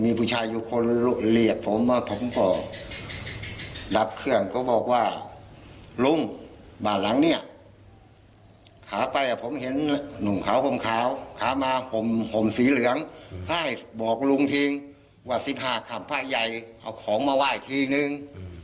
มีผู้ชายอยู่คนเรียกผมว่าผมก็รับเครื่องก็บอกว่าลุงบ้านหลังเนี่ยขาไปผมเห็นหนุ่มขาวห่มขาวขามาห่มสีเหลืองให้บอกลุงทิ้งว่า๑๕ขับผ้าใหญ่เอาของมาไหว้ทีนึง